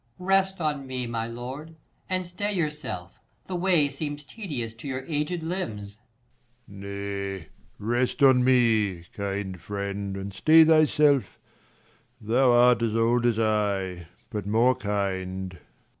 Per. Rest on me, my lord, and stay yourself, ^"* S a The way seems tedious to your aged limbs. Leir. Nay, rest on me, kind friend, and stay thyself, Thou art as old as I, but more kind.